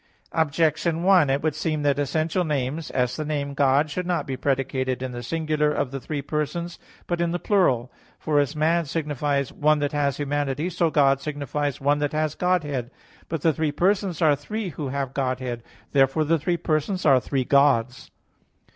Objection 1: It would seem that essential names, as the name "God," should not be predicated in the singular of the three persons, but in the plural. For as "man" signifies "one that has humanity," so God signifies "one that has Godhead." But the three persons are three who have Godhead. Therefore the three persons are "three Gods."